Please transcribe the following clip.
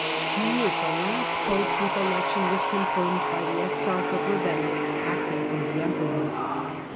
He is the last Pope whose election was confirmed by the Exarch of Ravenna, acting for the Emperor.